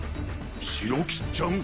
「白吉っちゃん」？